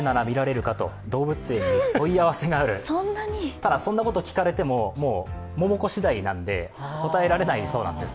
ただ、そんなこと聞かれてもモモコしだいなんで、答えられないそうなんです。